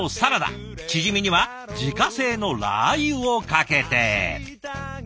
チヂミには自家製のラー油をかけて。